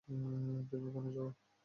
তুমি এখন যাবে।